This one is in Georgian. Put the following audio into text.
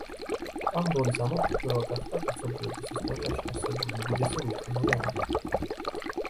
ტამბორის ამოფრქვევა გახდა კაცობრიობის ისტორიაში არსებული უდიდესი ვულკანური ამოფრქვევა.